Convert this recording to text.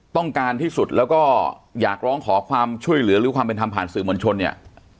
ต้องการที่สุดแล้วก็อยากร้องขอความช่วยเหลือหรือความเป็นธรรมผ่านสื่อมวลชนเนี่ย